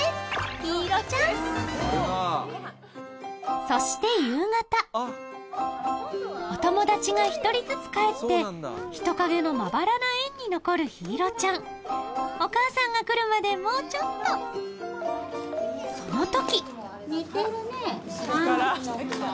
陽彩ちゃんそして夕方お友達が１人ずつ帰って人影のまばらな園に残る陽彩ちゃんお母さんが来るまでもうちょっとその時